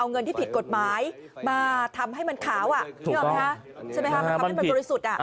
เอาเงินที่ผิดกฎหมายมาทำให้มันขาวนึกออกไหมคะใช่ไหมคะมันทำให้มันบริสุทธิ์